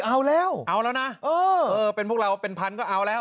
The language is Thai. เอาแล้วเอาแล้วนะเออเป็นพวกเราเป็นพันก็เอาแล้ว